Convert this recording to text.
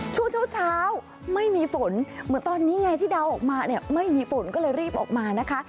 ช่วงเช้าไม่มีฝนเหมือนตอนนี้ไงที่เดาออกมาเนี่ยไม่มีฝนก็เลยรีบออกมานะคะ